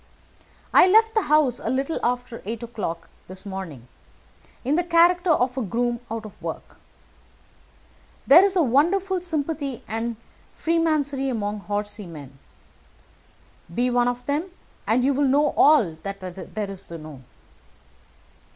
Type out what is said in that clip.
I left the house a little after eight o'clock this morning in the character of a groom out of work. There is a wonderful sympathy and freemasonry among horsey men. Be one of them, and you will know all that there is to know.